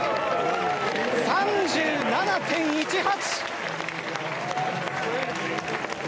３７．１８！